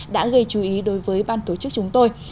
đã gây chú ý đối với ban tổ chức chúng tôi